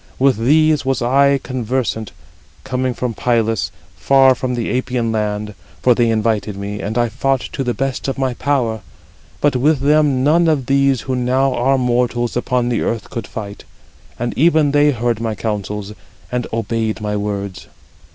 With these was I conversant, coming from Pylus, far from the Apian land; for they invited me, and I fought to the best of my power; but with them none of these who now are mortals upon the earth could fight. And even they heard my counsels, and obeyed my words.